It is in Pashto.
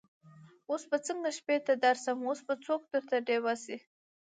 اوس به څنګه شپې ته درسم اوس به څوک درته ډېوه سي